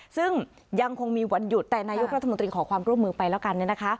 ซึ่งยังคงมีวันหยุดแต่นายกรัฐมนตรีขอความร่วมมือไปแล้วกัน